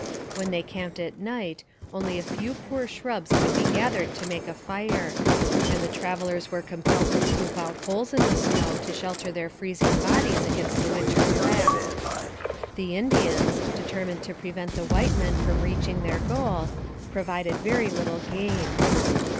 When they camped at night only a few poor shrubs could be gathered to make a fire, and the travellers were compelled to scoop out holes in the snow to shelter their freezing bodies against the bitter blast. The Indians, determined to prevent the white men from reaching their goal, provided very little game.